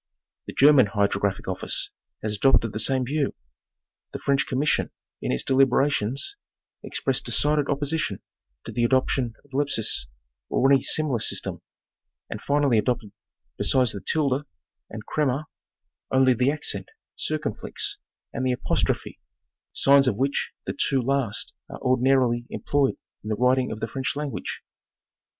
The German Hydrographic Office has adopted the same view. The French Commission in its deliberations expressed decided opposition to the adoption of Lepsius' or any similar system, and finally adopted besides the "tilde" and "crema," only the accent "circonfiex" and the "apostrophe," signs of which the two last are ordinarily em ployed in the writing of the French language.